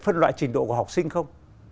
phân loại trình độ của học sinh không